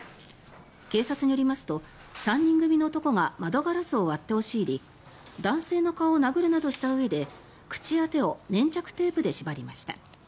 警察によりますと、３人組の男が窓ガラスを割って押し入り男性の顔を殴るなどしたうえで口や手を粘着テープで縛りました。